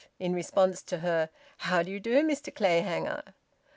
in response to her "How d'you do, Mr Clayhanger?"